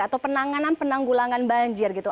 atau penanganan penanggulangan banjir gitu